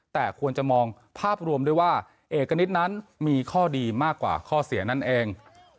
แต่ควรจะมองภาพรวมด้วยว่าเอกณิตนั้นมีข้อดีมากกว่าข้อเสียนั่นเอง